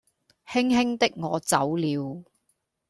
輕輕的我走了